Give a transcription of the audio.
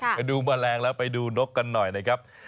ไปดูแมลงแล้วไปดูนกกันหน่อยนะครับ